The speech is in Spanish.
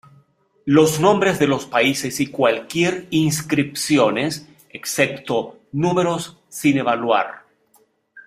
Los nombres de los países y cualquier inscripciones excepto números sin evaluar.